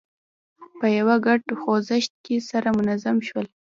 په یوه ګډ خوځښت کې سره منظم شول.